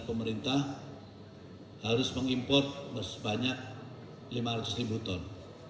pemerintah harus mengimport sebanyak lima ratus ribu ton